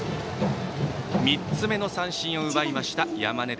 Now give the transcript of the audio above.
３つ目の三振を奪いました山根。